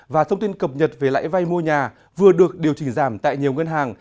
và thông tin cập nhật về lãi vay mua nhà vừa được điều chỉnh giảm tại nhiều ngân hàng